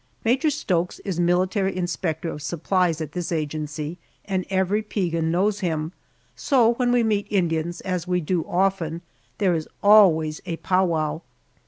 Major Stokes is military inspector of supplies at this agency, and every Piegan knows him, so when we meet Indians, as we do often, there is always a powwow.